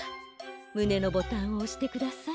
むねのボタンをおしてください。